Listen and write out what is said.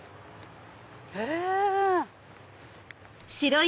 へぇ。